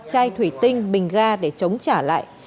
chai thủy tinh bình ga để chống trả lại